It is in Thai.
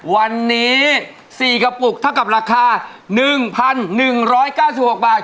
วันนี้๔กระปุกเท่ากับราคา๑๑๙๖บาท